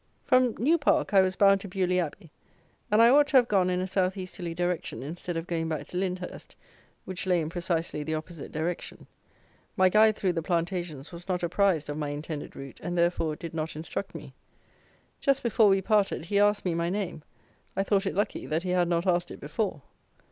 From New Park, I was bound to Beaulieu Abbey, and I ought to have gone in a south easterly direction, instead of going back to Lyndhurst, which lay in precisely the opposite direction. My guide through the plantations was not apprised of my intended route, and, therefore, did not instruct me. Just before we parted, he asked me my name: I thought it lucky that he had not asked it before!